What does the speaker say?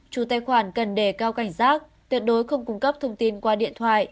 chủ tài khoản cần đề cao cảnh giác tuyệt đối không cung cấp thông tin qua điện thoại